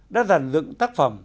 đã dàn dựng tác phẩm